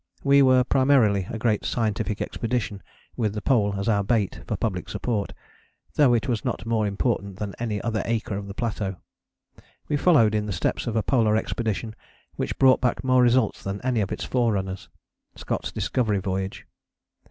We were primarily a great scientific expedition, with the Pole as our bait for public support, though it was not more important than any other acre of the plateau. We followed in the steps of a polar expedition which brought back more results than any of its forerunners: Scott's Discovery voyage.